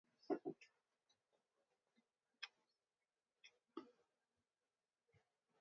They never bore any more fruit, and gradually died out.